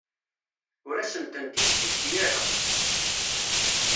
Ur asent-tent-id-yefki ara.